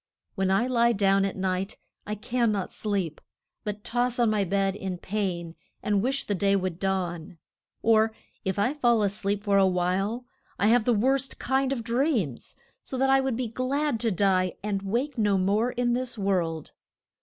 When I lie down at night I can not sleep, but toss on my bed in pain and wish the day would dawn. Or, if I fall a sleep for a while, I have the worst kind of dreams, so that I would be glad to die and wake no more in this world.